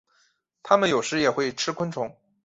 它们有时也会吃昆虫。